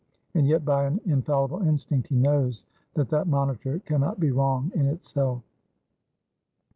And yet by an infallible instinct he knows, that that monitor can not be wrong in itself.